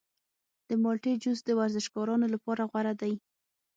د مالټې جوس د ورزشکارانو لپاره غوره دی.